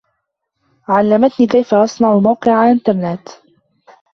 علّمتْني كيف أصنع موقعَ إنترنت.